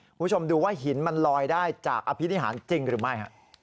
คุณผู้ชมดูว่าหินมันลอยได้จากอภินิหารจริงหรือไม่